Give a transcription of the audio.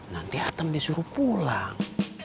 nanti hatem disuruh pulang